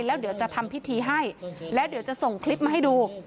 แล้วเดี๋ยวจะทำพิธีให้แล้วเดี๋ยวจะส่งคลิปมาให้ดู